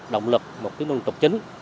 động lực một tỉnh đường trục chính